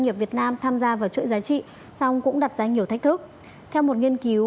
nghiệp việt nam tham gia vào chuỗi giá trị song cũng đặt ra nhiều thách thức theo một nghiên cứu